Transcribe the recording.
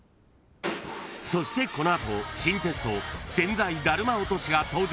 ［そしてこの後新テスト潜在ダルマ落としが登場］